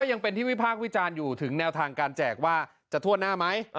ยังเป็นที่วิพากษ์วิจารณ์อยู่ถึงแนวทางการแจกว่าจะทั่วหน้าไหม